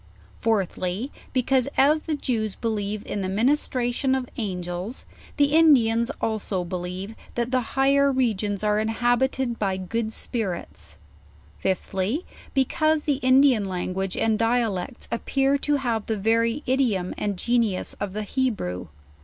Fourthly, because, as the Jews believe in the ministration of Angels, the Indians also believe,, that the higher regions are inhabited by good, 170 JOURNAL OF spirits. Fifthly, because the Indian language and dialects, appear to have the very idiorn and genius of the Hebrew.